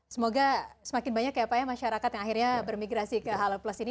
semoga semakin banyak ya pak ya masyarakat yang akhirnya bermigrasi ke halo plus ini